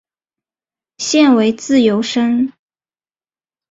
现为自由身。